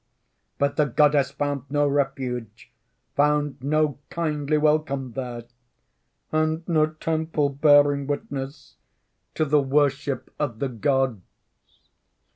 But the Goddess found no refuge, Found no kindly welcome there, And no temple bearing witness To the worship of the gods.